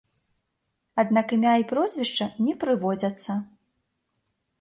Аднак імя і прозвішча не прыводзяцца.